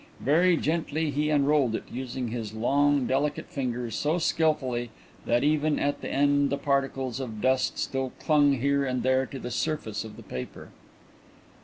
Very gently he unrolled it, using his long, delicate fingers so skilfully that even at the end the particles of dust still clung here and there to the surface of the paper.